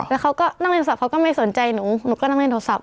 แล้วเขาก็นั่งเล่นสับเขาก็ไม่สนใจหนูหนูก็นั่งเล่นโทรศัพ